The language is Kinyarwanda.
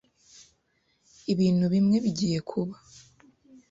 Ibintu bimwe bigiye kuba.